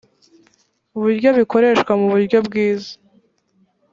uburyo bikoreshwa mu buryo bwiza